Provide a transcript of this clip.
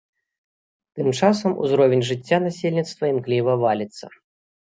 Тым часам узровень жыцця насельніцтва імкліва валіцца.